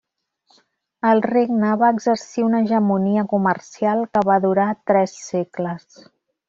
El regne va exercir una hegemonia comercial que va durar tres segles.